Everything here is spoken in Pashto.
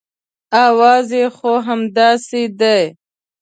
اوازې خو همداسې دي.